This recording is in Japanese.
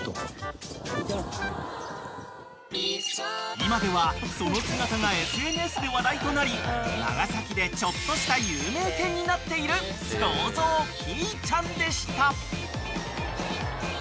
［今ではその姿がＳＮＳで話題となり長崎でちょっとした有名犬になっている銅像キィーちゃんでした］